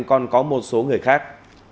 còn có một số người khác